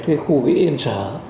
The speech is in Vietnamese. cái khu vĩ yên sở